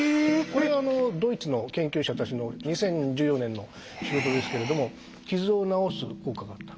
これドイツの研究者たちの２０１４年の仕事ですけれども傷を治す効果があった。